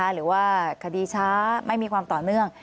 หรือว่าคดีช้าไม่มีความต่อเนื่อง